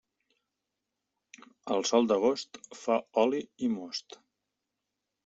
El sol d'agost fa oli i most.